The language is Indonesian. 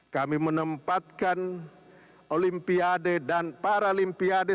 kami menempatkan olimpiade dan paralimpiade